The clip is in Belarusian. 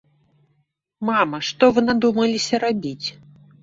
Мама, што вы надумаліся рабіць?